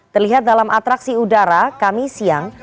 terlihat dalam atraksi udara kami siang